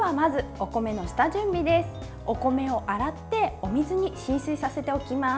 お米を洗ってお水に浸水させておきます。